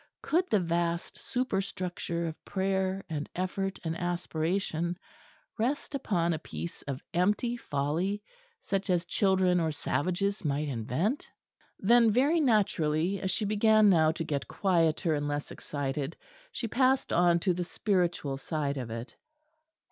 Could the vast superstructure of prayer and effort and aspiration rest upon a piece of empty folly such as children or savages might invent? Then very naturally, as she began now to get quieter and less excited, she passed on to the spiritual side of it.